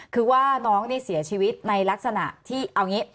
คือว่าน้องนี่เสียชีวิตในลักษณะที่เอาอย่างนี้